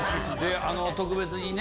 特別にね